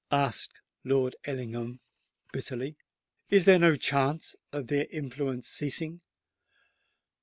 asked Lord Ellingham bitterly. "Is there no chance of their influence ceasing?